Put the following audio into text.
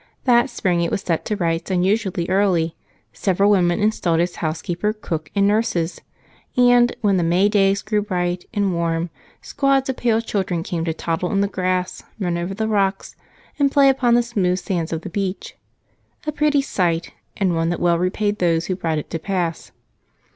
That spring it was set to rights unusually early, several women installed as housekeeper, cook, and nurses, and when the May days grew bright and warm, squads of pale children came to toddle in the grass, run over the rocks, and play upon the smooth sands of the beach. A pretty sight, and one that well repaid those who brought it to pass.